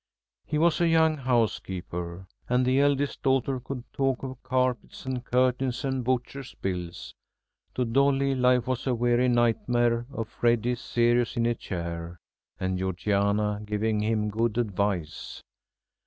He was a young housekeeper, and the eldest daughter could talk of carpets and curtains and butcher's bills. To Dolly life was a weary nightmare of Freddy serious in a chair, and Georgiana giving him good advice.